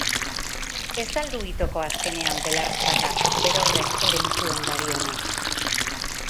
Ez al du itoko azkenean belar txarrak berorrek erein zuen gari ona?